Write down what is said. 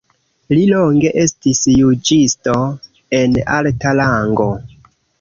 Li longe estis juĝisto en alta rango.